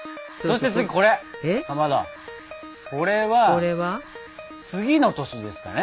これは次の年でしたね。